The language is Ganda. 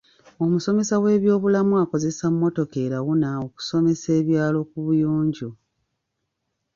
Omusomesa w'ebyobulamu akozesa mmotoka erawuna okusomesa ebyalo ku buyonjo.